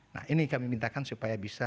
nah ini kami mintakan supaya bisa